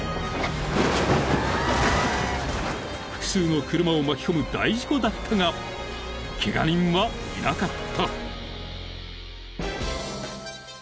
［複数の車を巻き込む大事故だったがケガ人はいなかった］